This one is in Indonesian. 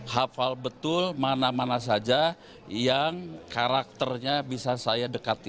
hafal betul mana mana saja yang karakternya bisa saya dekati